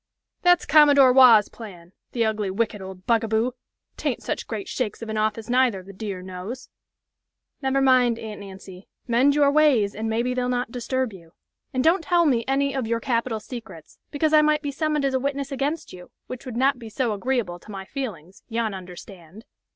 "That's Commodore Waugh's plan! the ugly, wicked, old buggaboo! 'Tain't such great shakes of an office neither, the dear knows!" "Never mind, Aunt Nancy, mend your ways, and maybe they'll not disturb you. And don't tell me any of your capital secrets, because I might be summoned as a witness against you, which would not be so agreeable to my feelings yon understand!